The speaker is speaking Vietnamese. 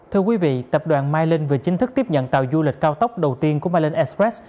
thưa quý vị tập đoàn mylin vừa chính thức tiếp nhận tàu du lịch cao tốc đầu tiên của miland express